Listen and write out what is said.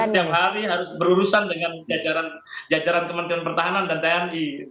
karena dia setiap hari harus berurusan dengan jajaran kementerian pertahanan